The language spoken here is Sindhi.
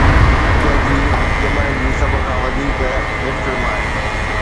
K جي ڄمڻ جي سڀ کان وڌيڪ هٽ فلم